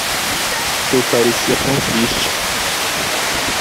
Eu parecia tão triste.